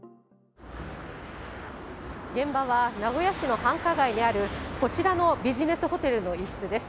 現場は名古屋市の繁華街にある、こちらのビジネスホテルの一室です。